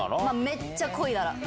めっちゃこいだら。